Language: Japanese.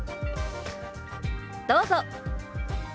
どうぞ。